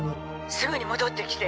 「すぐに戻ってきて！